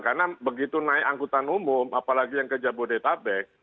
karena begitu naik angkutan umum apalagi yang ke jabodetabek